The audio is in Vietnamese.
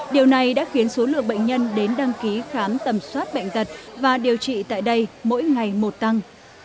điều này đã khiến số lượng bệnh nhân đến đăng ký khám tầm soát bệnh tật và điều trị tại đây mỗi ngày một tăng